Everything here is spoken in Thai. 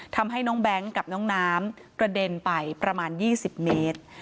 ทำให้น้องแบงค์กับน้องน้ำกระเด็นไปประมาณ๒๐เมตร